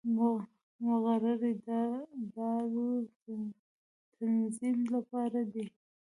مقررې د ادارو د تنظیم لپاره دي